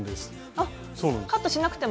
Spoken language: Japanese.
あっカットしなくても。